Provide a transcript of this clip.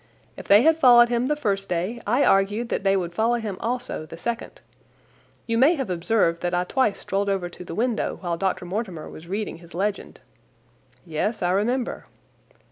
If they had followed him the first day I argued that they would follow him also the second. You may have observed that I twice strolled over to the window while Dr. Mortimer was reading his legend." "Yes, I remember."